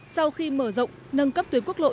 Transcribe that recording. sau khi mở rộng nâng cấp tuyến quốc lộ